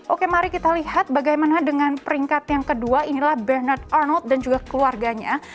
oke mari kita lihat bagaimana dengan peringkat yang kedua inilah bernard arnold dan juga keluarganya